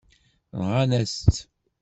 Nɣant-as-tt.